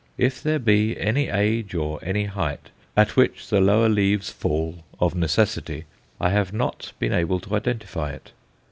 If there be any age or any height at which the lower leaves fall of necessity, I have not been able to identify it.